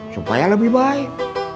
supaya lebih baik